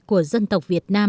của dân tộc